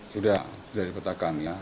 sudah sudah diketahkan ya